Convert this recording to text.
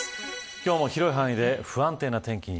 今日も広い範囲で不安定なお天気に。